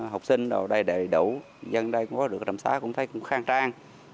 học sinh đầy đầy đủ dân đây có được trạm xá cũng thấy cũng khang trang